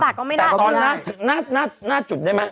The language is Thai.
แต่ตอนหน้าจุดได้ไหม